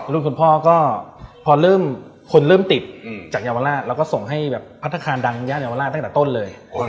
รุ่นคุณพ่อก็พอเริ่มคนเริ่มติดจากเยาวราชแล้วก็ส่งให้แบบพัฒนาคารดังย่านเยาวราชตั้งแต่ต้นเลย